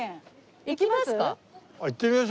行きます？